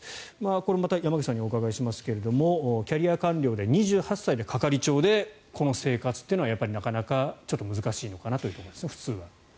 これまた山口さんにお伺いしますけどキャリア官僚で２８歳で係長でこの生活というのはなかなか難しいのかなというところですか？